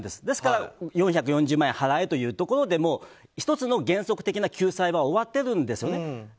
ですから４４０万円払えというところで１つの原則的な救済は終わっているんですよね。